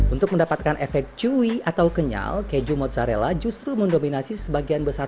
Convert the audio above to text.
untuk mendapatkan efek cui atau kenyal keju mozzarella justru mendominasi sebagian besar